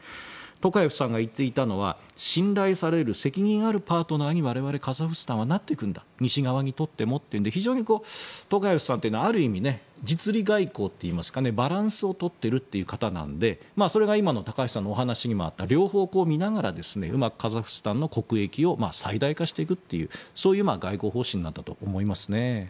トカエフさんが言っていたのは信頼される責任あるパートナーに我々カザフスタンはなっていくんだ西側にとってもというので非常にトカエフさんというのはある意味、実利外交といいますかバランスを取っている方なのでそれが今の高橋さんのお話にもあった両方見ながらうまくカザフスタンの国益を最大化していくというそういう外交方針なんだと思います。